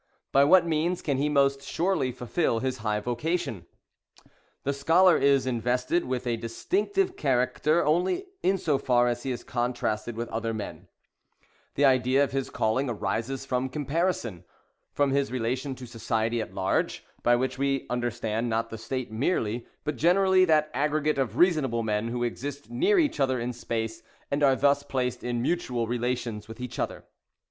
— by what means can he most surely fulfil his high vocation? The Scholar is invested with a distinctive character only in so far as he is contrasted with other men ; the idea of his calling arises from comparison, from his relation to Society at large, — by which we understand not the State merely, but generally that aggregate of reasonable men who exist near each other in space, and are thus placed in mutual relations with each other.